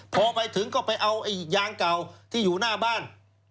พอไปถึงก็ไปเอายางเก่าที่อยู่หน้าบ้าน